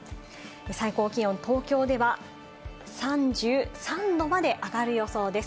最高気温、東京では３３度まで上がる予想です。